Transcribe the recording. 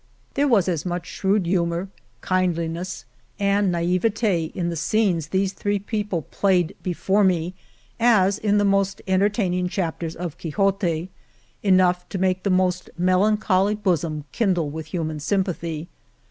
There was as much shrewd humor, kindliness, and naivete in the scenes these three people played be i86 V''^^ ■le. The Morena fore me as in the most entertaining chap ter of Quixote — enough to make the most melancholy bosom kindle with human sym pathy.